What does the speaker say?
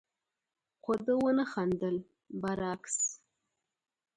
خو ده ونه خندل، برعکس،